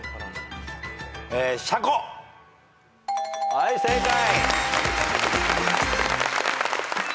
はい正解。